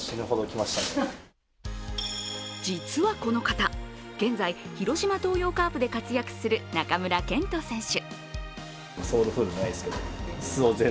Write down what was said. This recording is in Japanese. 実はこの方、現在、広島東洋カープで活躍する中村健人選手。